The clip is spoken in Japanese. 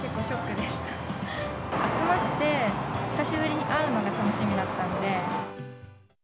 集まって、久しぶりに会うのが楽しみだったんで。